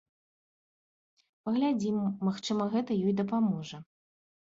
Паглядзім, магчыма гэта ёй дапаможа.